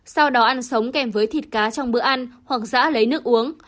sau đó ăn sống kèm với thịt cá trong bữa ăn hoặc giã lấy nước uống